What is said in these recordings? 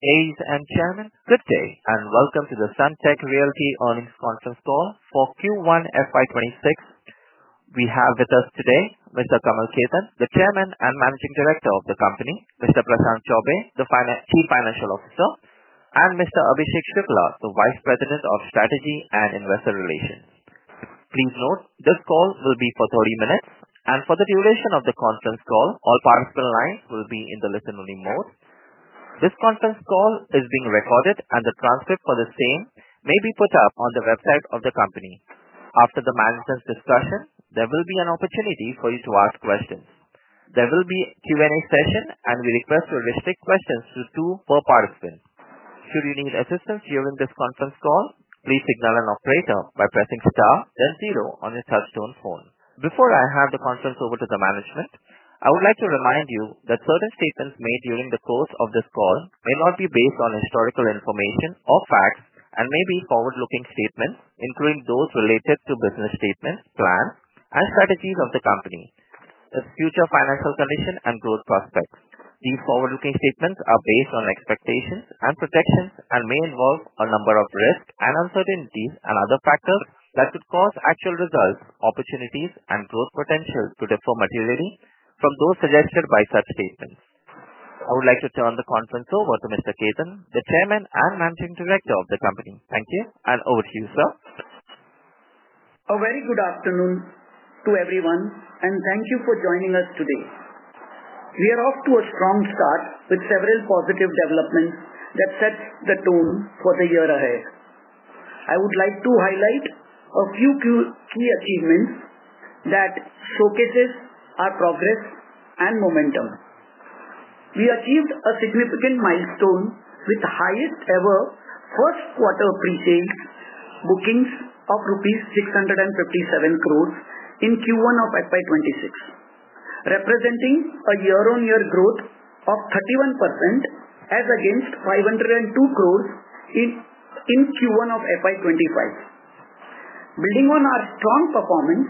Ladies and gentlemen, good day and welcome to the Sunteck Realty earnings conference call for Q1 FY 2026. We have with us today Mr. Kamal Khetan, the Chairman and Managing Director of the company, Mr. Prashant Chaubey, the Chief Financial Officer, and Mr. Abhishek Shukla, the Vice President of Strategy and Investor Relations. Please note this call will be for 30 minutes, and for the duration of the conference call, all participant lines will be in the listen-only mode. This conference call is being recorded, and the transcript for the same may be put up on the website of the company. After the management discussion, there will be an opportunity for you to ask questions. There will be a Q&A session, and we request that you stick questions to two per participant. Should you need assistance during this conference call, please signal an operator by pressing star then zero on your touch-tone phone. Before I hand the conference over to the management, I would like to remind you that certain statements made during the course of this call may not be based on historical information or facts and may be forward-looking statements, including those related to business statements, plans, and strategies of the company, the future financial condition, and growth prospects. These forward-looking statements are based on expectations and projections and may involve a number of risks and uncertainties and other factors that could cause actual results, opportunities, and growth potential to differ materially from those suggested by such statements. I would like to turn the conference over to Mr. Khetan, the Chairman and Managing Director of the company. Thank you, and over to you, sir. A very good afternoon to everyone, and thank you for joining us today. We are off to a strong start with several positive developments that set the tone for the year ahead. I would like to highlight a few key achievements that showcase our progress and momentum. We achieved a significant milestone with the highest ever pre-sales bookings of 657 crore rupees in Q1 of FY 2026, representing a year-on-year growth of 31% as against INR 502 crore in Q1 of FY 2025. Building on our strong performance,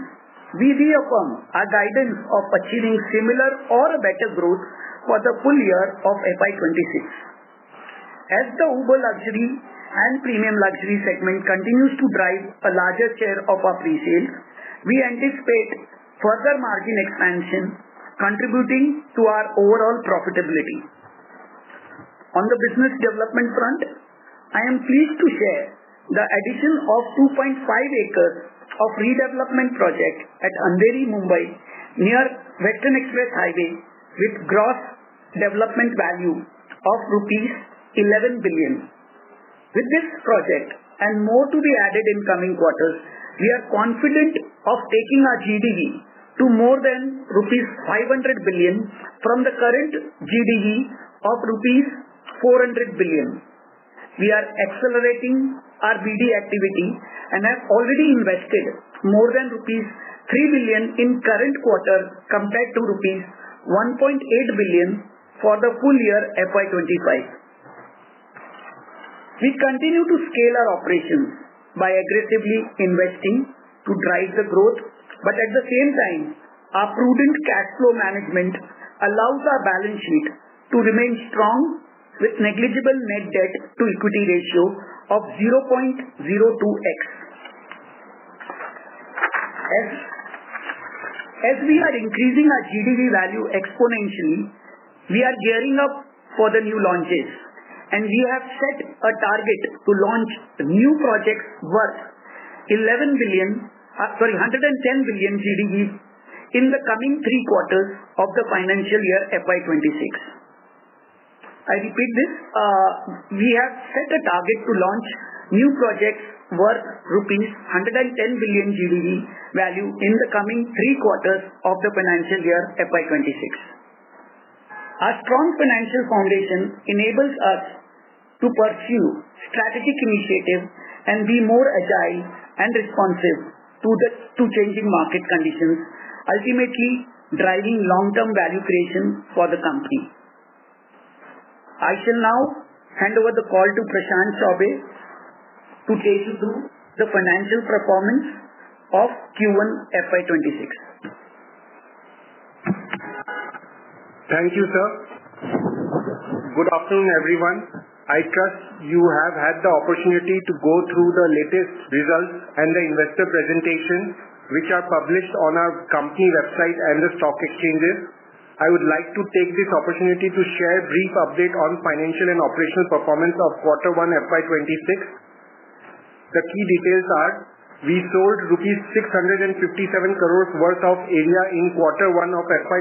we reaffirm our guidance of achieving similar or better growth for the full year of FY 2026. As the Uber luxury and premium luxury segment continues to drive a larger share of our pre-sales, we anticipate further margin expansion contributing to our overall profitability. On the business development front, I am pleased to share the addition of 2.5 acres of redevelopment projects at Andheri, Mumbai, near Western Express Highway, with a gross development value of INR 11 billion. With this project and more to be added in the coming quarters, we are confident of taking our GDV to more than INR 500 billion from the current GDV of rupees 400 billion. We are accelerating our BD activity and have already invested more than rupees 3 billion in the current quarter compared to rupees 1.8 billion for the full year FY 2025. We continue to scale our operations by aggressively investing to drive the growth, but at the same time, our prudent cash flow management allows our balance sheet to remain strong with negligible net debt-to-equity ratio of 0.02x. As we are increasing our GDV value exponentially, we are gearing up for the new launches, and we have set a target to launch new projects worth 110 billion GDV in the coming three quarters of the financial year FY 2026. I repeat this. We have set a target to launch new projects worth rupees 110 billion GDV value in the coming three quarters of the financial year FY 2026. Our strong financial foundation enables us to pursue strategic initiatives and be more agile and responsive to the changing market conditions, ultimately driving long-term value creation for the company. I shall now hand over the call to Prashant Chaubey to take you through the financial performance of Q1 FY 2026. Thank you, sir. Good afternoon, everyone. I trust you have had the opportunity to go through the latest results and the investor presentations, which are published on our company website and the stock exchanges. I would like to take this opportunity to share a brief update on the financial and operational performance of quarter one FY 2026. The key details are we sold rupees 657 crore worth of Aria in quarter one of FY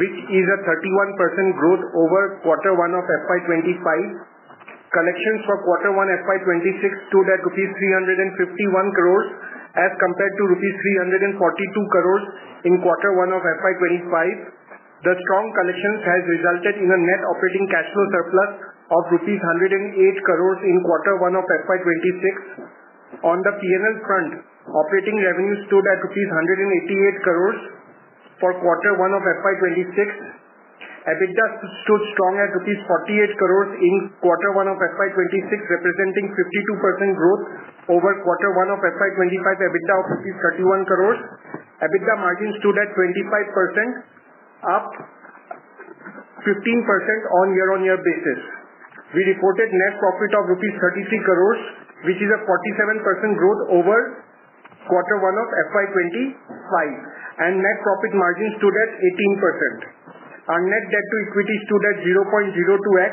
2026, which is a 31% growth over quarter one of FY 2025. Collections for quarter one FY 2026 stood at INR 351 crore as compared to INR 342 crore in quarter one of FY 2025. The strong collections have resulted in a net operating cash flow surplus of rupees 108 crore in quarter one of FY 2026. On the P&L front, operating revenue stood at rupees 188 crore for quarter one of FY 2026. EBITDA stood strong at INR 48 crore in quarter one of FY 2026, representing 52% growth over quarter one of FY 2025. EBITDA of 31 crore. EBITDA margin stood at 25%, up 15% on a year-on-year basis. We reported net profit of 33 crore rupees, which is a 47% growth over quarter one of FY 2025, and net profit margin stood at 18%. Our net debt-to-equity stood at 0.02x,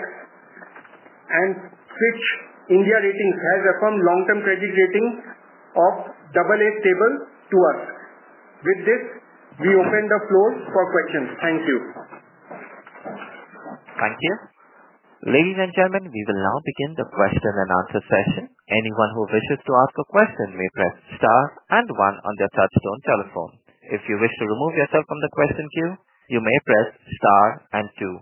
and Switch India Ratings has affirmed long-term credit rating of AA (Stable) to us. With this, we open the floor for questions. Thank you. Thank you. Ladies and gentlemen, we will now begin the question-and-answer session. Anyone who wishes to ask a question may press star and one on their touch-tone telephone. If you wish to remove yourself from the question queue, you may press star and two.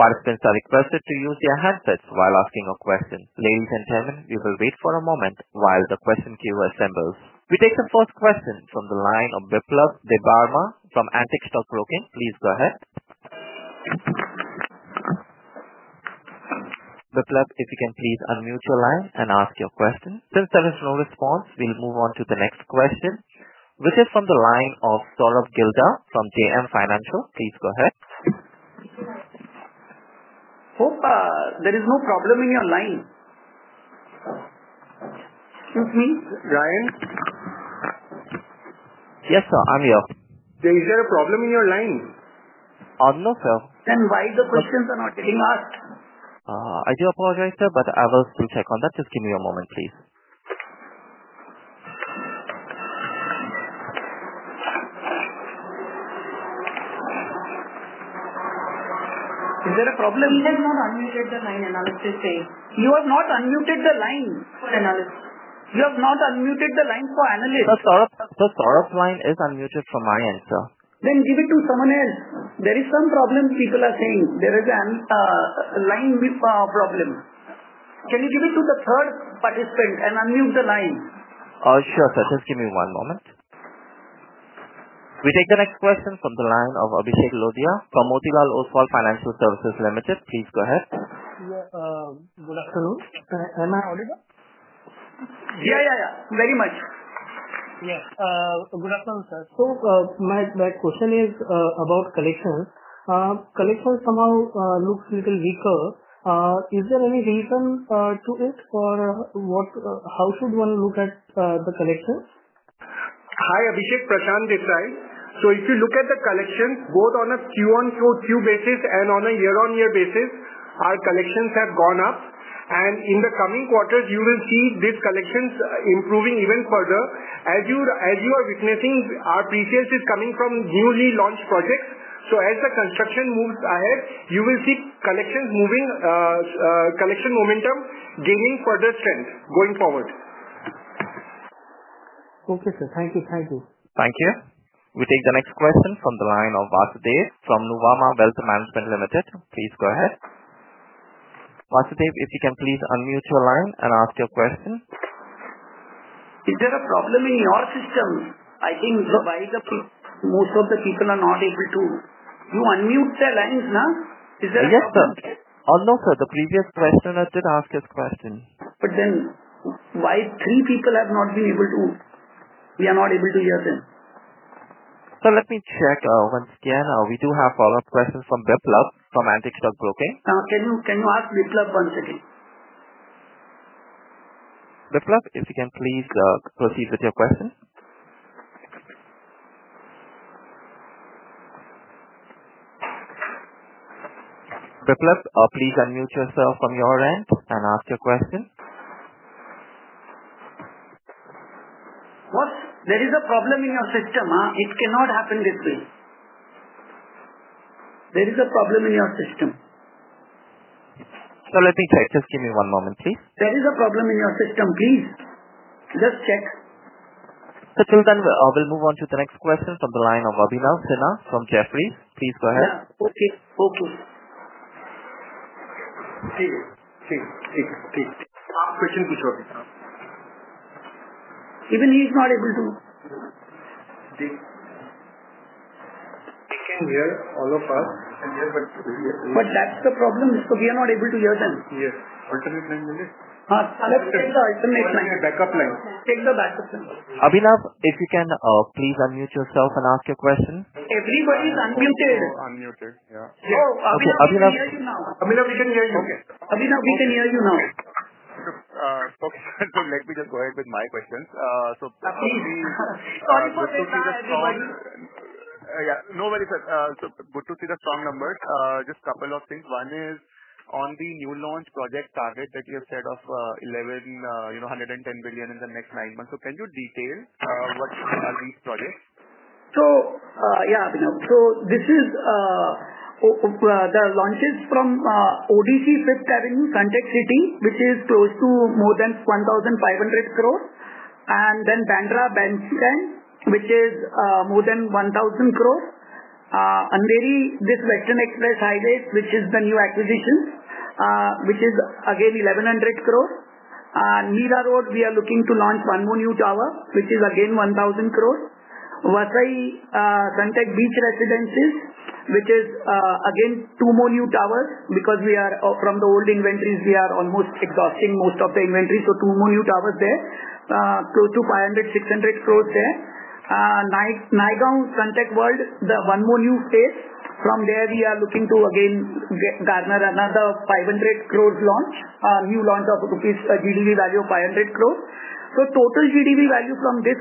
Participants are requested to use their handsets while asking a question. Ladies and gentlemen, we will wait for a moment while the question queue assembles. We take the first question from the line of Biplab Debbarma from Antique Stock Broking. Please go ahead. Biplab, if you can please unmute your line and ask your question. Since there is no response, we'll move on to the next question, which is from the line of Sourabh Gilda from JM Financial. Please go ahead. Hope there is no problem in your line. Excuse me, Ryan? Yes, sir. I'm here. Is there a problem in your line? No, sir. Why are the questions not getting asked? I do apologize, sir, but I will still take on that. Just give me a moment, please. Is there a problem? He has not unmuted the line. I'm just saying. You have not unmuted the line. You have not unmuted the line for analysts. The Sourabh line is unmuted for my end, sir. Give it to someone else. There is some problem people are saying. There is a line with a problem. Can you give it to the third participant and unmute the line? Sure, sir. Just give me one moment. We take the next question from the line of Abhishek Lodhiya from Motilal Oswal Financial Services Limited. Please go ahead. Good afternoon. Am I audible? Yeah, very much. Yeah. Good afternoon, sir. My question is about collections. Collections somehow look a little weaker. Is there any reason to it, or how should one look at the collections? Hi, Abhishek. Prashant this side. If you look at the collections, both on a Q1 through Q basis and on a year-on-year basis, our collections have gone up. In the coming quarters, you will see these collections improving even further. As you are witnessing, our pre-sales is coming from newly launched projects. As the construction moves ahead, you will see collections moving, collection momentum gaining further strength going forward. Okay, sir. Thank you. Thank you. Thank you. We take the next question from the line of Vasudev from Nuvama Wealth Management Limited. Please go ahead. Vasudev, if you can please unmute your line and ask your question. Is there a problem in your system? I think why most of the people are not able to unmute their lines now. Is there? Yes, sir. No, sir. The previous questioner did ask his question. Why have three people not been able to? We are not able to hear him. Let me check once again. We do have follow-up questions from Biplab from Antique Stock Broking. Can you ask Biplab one second? Biplab, if you can please proceed with your question. Biplab, please unmute yourself from your end and ask your question. There is a problem in your system. It cannot happen this way. There is a problem in your system. Let me check. Just give me one moment, please. There is a problem in your system, please just check. We will move on to the next question from the line of Abhinav Sinha from Jefferies. Please go ahead. Even he is not able to. They can hear all of us. We are not able to hear them. Yes, alternate line only. Alternate line. Take the backup line. Abhinav, if you can please unmute yourself and ask your question. Everybody's unmuted. Unmuted, yeah. Abhinav, we can hear you now. Okay, let me just go ahead with my questions. Back on the. Sorry for breaking up. Yeah, no worries, sir. Good to see the strong numbers. Just a couple of things. One is on the new launch project target that you have said of 110 billion in the next nine months. Can you detail what are these projects? Yeah, Abhinav. This is the launches from ODC 5th Avenue, Sunteck City, which is close to more than 1,500 crore, and then Bandra Bandstand, which is more than 1,000 crore, Andheri, this Western Express Highway, which is the new acquisition, which is again 1,100 crore, and Mira Road, we are looking to launch one more new tower, which is again 1,000 crore. Vasai Sunteck Beach Residences, which is again two more new towers because from the old inventories, we are almost exhausting most of the inventory. Two more new towers there, close to 500 crore-600 crore there. Now at Sunteck World, one more new phase. From there, we are looking to again garner another 500 crore launch, a new launch of GDV value of 500 crore. Total GDV value from this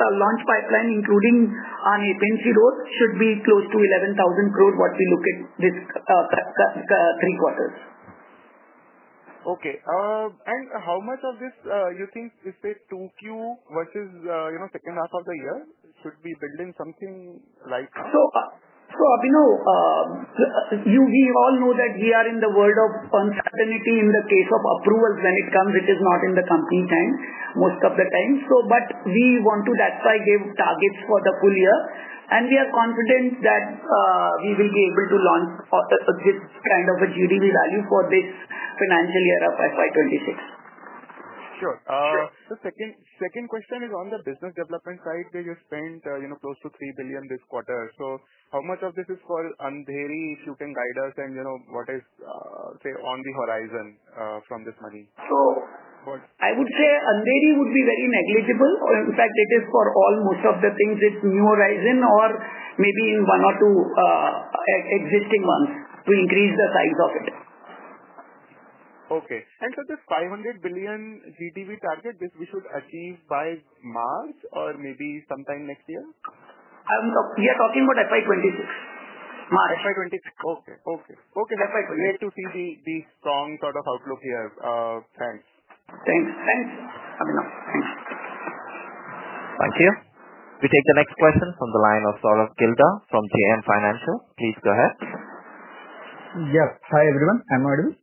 launch pipeline, including on Nepeansea Road, should be close to 11,000 crore once we look at this three quarters. Okay. How much of this do you think is this too few versus the second half of the year? Should we build in something like? Abhinav, we all know that we are in the world of uncertainty in the case of approvals when it comes, which is not in the company time most of the time. That's why I gave targets for the full year, and we are confident that we will be able to launch this kind of a GDV value for this financial year of FY 2026. Sure. The second question is on the business development side. You spent close to 3 billion this quarter. How much of this is for Andheri? If you can guide us, and you know what is, say, on the horizon from this money? I would say Andheri would be very negligible. In fact, it is for almost all of the things. It's New Horizon or maybe one or two existing ones to increase the size of it. Okay. This $500 billion GDP target, which we should achieve by March or maybe sometime next year? We are talking about FY 2026. March? FY 2026. Okay. You have to see the strong sort of outlook here. Thanks. Thanks. Thanks. Thank you. We take the next question from the line of Sourabh Gilda from JM Financial. Please go ahead. Yes, hi everyone. Am I audible?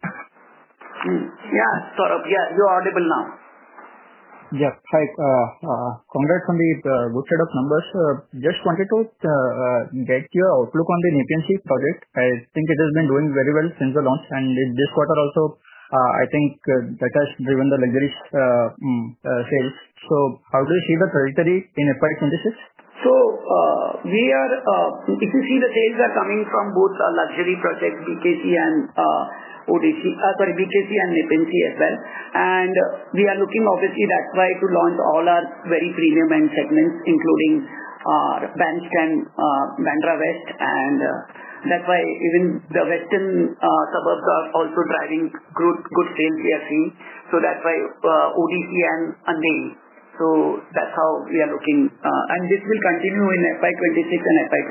Yeah, Sourabh, you're audible now. Yes. Hi. Congrats on the good set of numbers. Just wanted to get your outlook on the Nepeansea project. I think it has been doing very well since the launch. This quarter also, I think that has driven the luxury sales. How do you see the trajectory in FY 2026? If you see, the sales are coming from both our luxury project, BKC and ODC, sorry, BKC and Nepeansea as well. We are looking, obviously, that way to launch all our very premium end segments, including our Banstand and Bandra West. That's why even the Western suburbs are also driving good sales. We are seeing that's why ODC and Andheri. That's how we are looking, and this will continue in FY 2026 and FY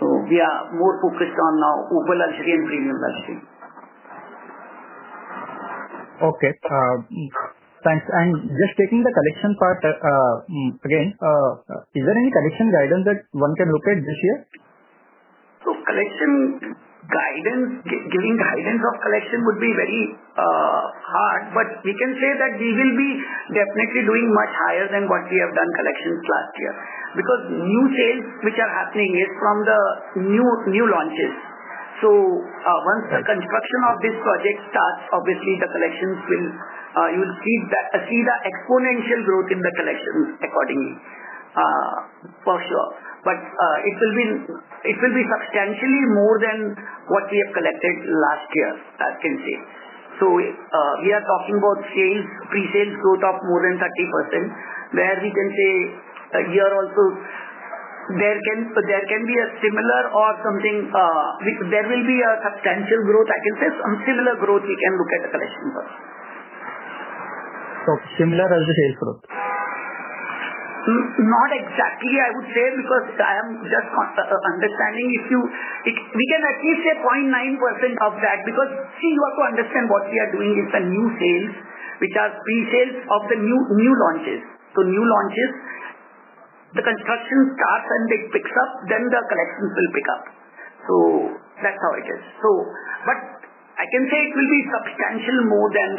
2027. We are more focused on now Uber luxury and premium luxury. Okay. Thanks. Just taking the collection part again, is there any collection guidance that one can look at this year? Collection guidance, giving guidance of collection would be very hard, but we can say that we will be definitely doing much higher than what we have done collections last year because new sales which are happening here from the new new launches. Once the construction of this project starts, obviously, the collections will, you'll see that, see the exponential growth in the collections accordingly, for sure. It will be substantially more than what we have collected last year, I can say. We are talking about sales pre-sales growth of more than 30%, where we can say a year or two, there can be a similar or something. There will be a substantial growth. I can say some similar growth we can look at the collection for. it similar as the sales growth? Not exactly, I would say, because I am just understanding if we can at least say 0.9% of that, because see, you have to understand what we are doing. It's new sales, which are pre-sales of the new launches. New launches, the construction starts and they pick up, then the collections will pick up. That's how it is. I can say it will be substantially more than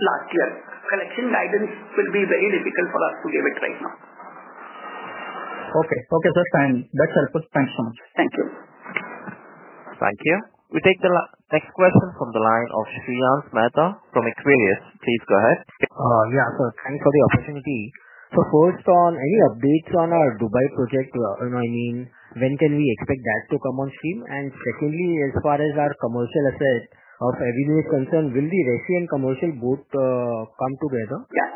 last year. Collection guidance will be very difficult for us to give right now. Okay. Okay, sir. That's helpful. Thanks so much. Thank you. Thank you. We take the next question from the line of Shreyans Mehra from Equirus. Please go ahead. Yeah, sir. Thanks for the opportunity. First, any updates on our Dubai project, and I mean, when can we expect that to come on scene? Secondly, as far as our commercial asset of everything is concerned, will the resi and commercial both come together? Yeah.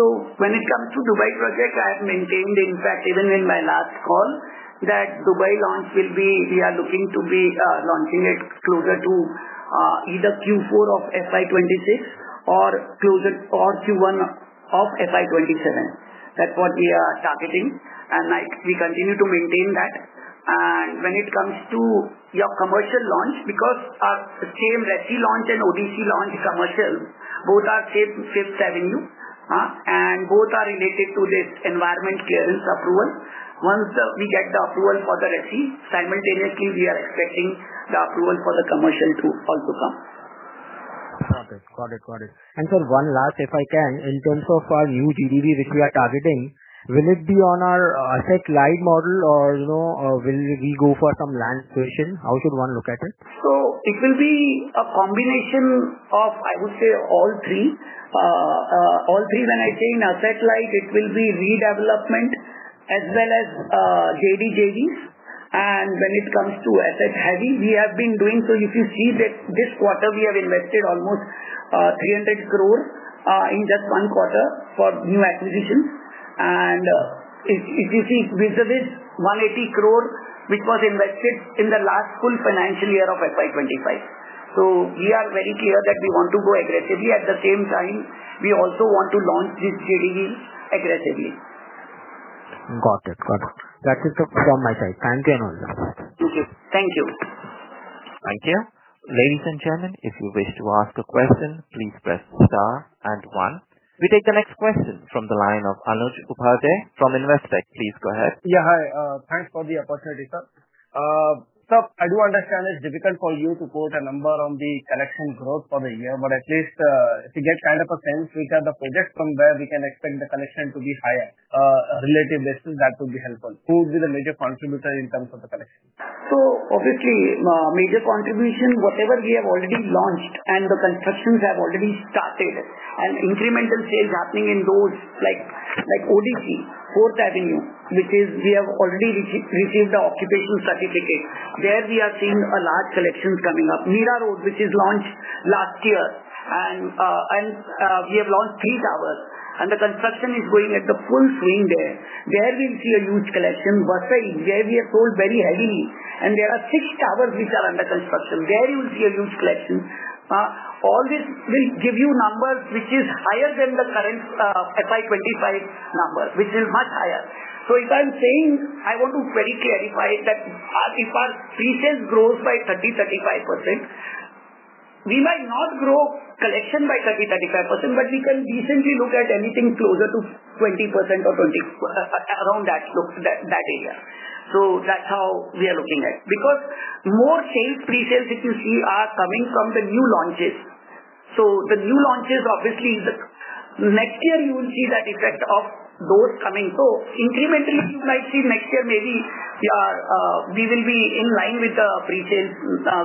When it comes to the Dubai project, I have maintained, in fact, even in my last call, that Dubai launch will be, we are looking to be launching it closer to either Q4 of FY 2026 or Q1 of FY 2027. That's what we are targeting. We continue to maintain that. When it comes to your commercial launch, because our same resi launch and ODC launch commercial, both our 5th avenue and are related to this environment clearance approval. Once we get the approval for the resi, simultaneously, we are expecting the approval for the commercial to also come. Got it. Got it. Sir, one last, if I can, in terms of our new GDV which we are targeting, will it be on our asset-light model or will we go for some land position? How should one look at it? It will be a combination of, I would say, all three. All three, when I say in asset-light, it will be redevelopment as well as joint development agreements. When it comes to asset-heavy, we have been doing, if you see this quarter, we have invested almost 300 crore in just one quarter for new acquisitions. If you see, vis-a-vis 180 crore, which was invested in the last full financial year of FY 2025. We are very clear that we want to go aggressively. At the same time, we also want to launch this GDV aggressively. Got it. Got it. That is from my side. Thank you, Anuradhan. Thank you. Thank you. Thank you. Ladies and gentlemen, if you wish to ask a question, please press star and one. We take the next question from the line of Anuj Upadhyay from Investec. Please go ahead. Yeah, hi. Thanks for the opportunity, sir. Sir, I do understand it's difficult for you to quote a number on the collection growth for the year, but at least to get kind of a sense on the project from where we can expect the collection to be higher, a relative basis, that would be helpful. Who would be the major contributor in terms of the collection? Obviously, a major contribution, whatever we have already launched and the constructions have already started and incremental sales happening in those like ODC, 4th Avenue, which is we have already received the occupational certificate. There we are seeing a large collection coming up. Mira Road, which is launched last year, and we have launched three towers, and the construction is going at full swing there. There we will see a huge collection. Vasai, where we have sold very heavily, and there are six towers which are under construction. There you will see a huge collection. All this will give you a number which is higher than the current FY 2025 numbers, which is much higher. If I'm saying, I want to very clearly find that if our pre-sales grows by 30%, 35%, we might not grow collection by 30%, 35%, but we can decently look at anything closer to 20% or 20% around that look that area. That's how we are looking at it because more sales, pre-sales, if you see, are coming from the new launches. The new launches, obviously, in the next year, you will see that effect of those coming. Incrementally, you might see next year maybe we will be in line with the pre-sales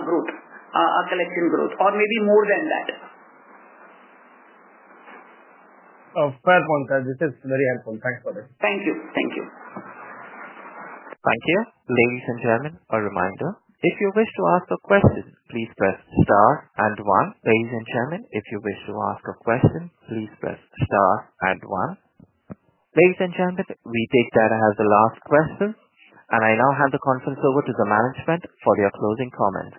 growth, our collection growth, or maybe more than that. Of course. This is very helpful. Thanks for that. Thank you. Thank you. Thank you. Ladies and gentlemen, a reminder, if you wish to ask a question, please press star and one. Ladies and gentlemen, if you wish to ask a question, please press star and one. Ladies and gentlemen, we take that as the last question. I now hand the conference over to the management for their closing comments.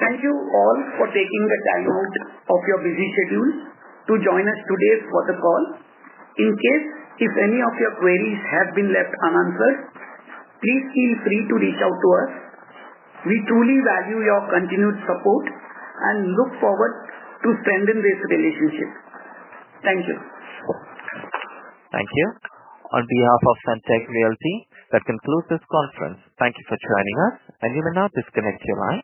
Thank you all for taking the time out of your busy schedules to join us today for the call. In case any of your queries have been left unanswered, please feel free to reach out to us. We truly value your continued support and look forward to strengthen this relationship. Thank you. Thank you. On behalf of Sunteck Realty, that concludes this conference. Thank you for joining us, and you may now disconnect your line.